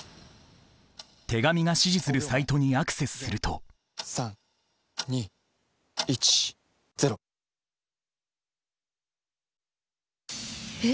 手紙が指示するサイトにアクセスすると３２１０。え。